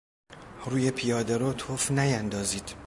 روی پیادهرو تف نیاندازید!